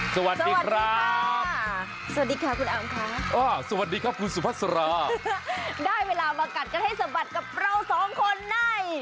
สวัสดีครับสวัสดีค่ะคุณอามค่ะสวัสดีครับคุณสุภาษาได้เวลามากัดกันให้สะบัดกับเราสองคนใน